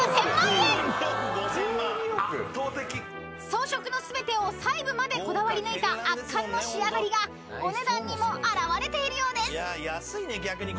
［装飾の全てを細部までこだわり抜いた圧巻の仕上がりがお値段にも表れているようです］